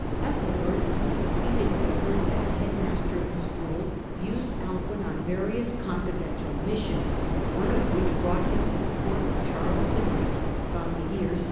Ethelbert, who succeeded Egbert as headmaster of the school, used Alcuin on various con fidential missions, one of which brought him to the Court of Charles the Great about the year 773.